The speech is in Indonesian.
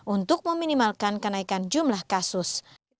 untuk meminimalkan kenaikan jumlah kasus